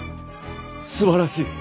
素晴らしい！